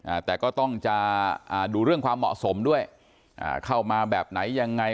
อ่าแต่ก็ต้องจะอ่าดูเรื่องความเหมาะสมด้วยอ่าเข้ามาแบบไหนยังไง